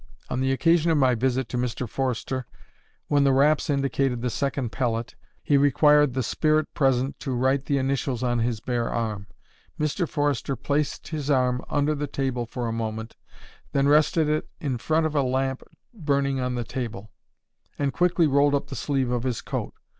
On the occasion of my visit to Mr. Forster, when the raps indicated the second pellet, he required the "spirit" present to write the initials on his bare arm. Mr. Forster placed his arm under the table for a moment, then rested it in front of a lamp burning on the table, and quickly rolled up the sleeve of his coat.